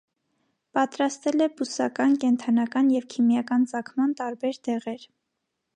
Պատրաստել է բուսական, կենդանական, և քիմիական ծագման տարբեր դեղեր։